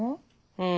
うん。